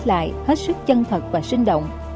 kể lại hết sức chân thật và sinh động